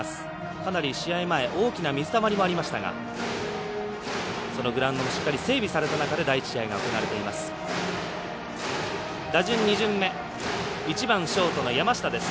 かなり試合前大きな水たまりもありましたがそのグラウンドもしっかり整備された中で第１試合が行われています。